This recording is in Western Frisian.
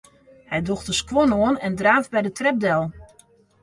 Hy docht de skuon oan en draaft by de trep del.